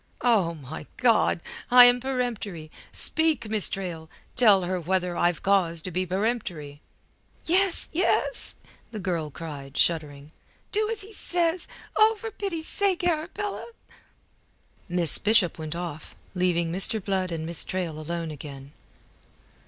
"Oh, my God! I am peremptory! Speak, Miss Trail!, tell her whether I've cause to be peremptory." "Yes, yes," the girl cried, shuddering. "Do as he says Oh, for pity's sake, Arabella." Miss Bishop went off, leaving Mr. Blood and Miss Traill alone again.